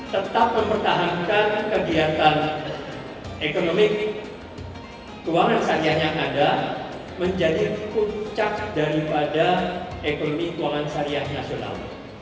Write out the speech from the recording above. tetap mempertahankan kegiatan ekonomi keuangan syariah yang ada menjadi puncak daripada ekonomi keuangan syariah nasional